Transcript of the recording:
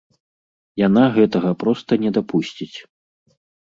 Яна гэтага проста не дапусціць.